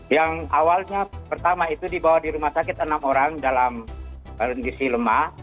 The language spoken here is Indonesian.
yang awalnya pertama itu dibawa di rumah sakit enam orang dalam kondisi lemah